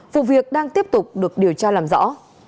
vụ việc đang tiếp tục được điều tra làm rõ